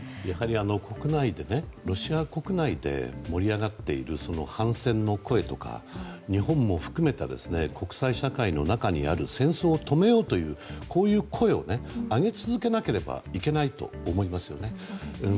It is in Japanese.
やはりロシア国内で盛り上がっている反戦の声とか日本も含めた国際社会の中にある戦争を止めようというこういう声を上げ続けなければいけないと思いますよね。